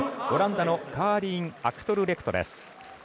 オランダのカーリーン・アクトルレクトです。